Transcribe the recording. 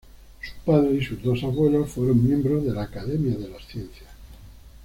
Su padre y sus dos abuelos fueron miembros de la Academia de Ciencias.